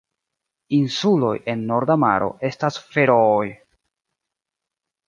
Insuloj en Norda maro estas Ferooj.